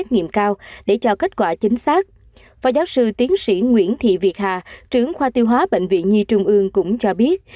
phó giáo sư tiến sĩ nguyễn thị việt hà trưởng khoa tiêu hóa bệnh viện nhi trung ương cũng cho biết